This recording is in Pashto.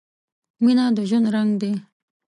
• مینه د ژوند رنګ دی.